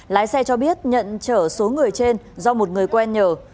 lái xe cho biết nhận chở số người trên do một người quen nhờ